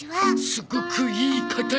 すごくいい形。